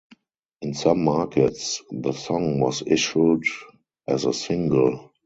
In some markets, the song was issued as a single.